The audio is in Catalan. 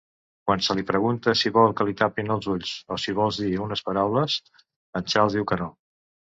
Quan se li pregunta si vol que li tapin els ulls o si vols dir unes darreres paraules, en Charles diu que no.